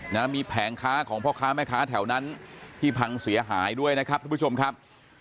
นะมีแผงค้าของพ่อค้าแม่ค้าแถวนั้นที่พังเสียหายด้วยนะครับทุกผู้ชมครับ